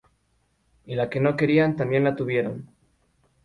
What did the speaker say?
Y la que no querían también la tuvieron